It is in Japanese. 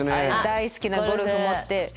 大好きなゴルフ持って。